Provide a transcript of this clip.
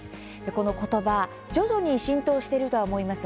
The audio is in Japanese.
このことば徐々に浸透していると思います。